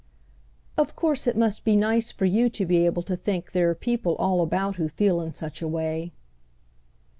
"Of course it must be nice for you to be able to think there are people all about who feel in such a way."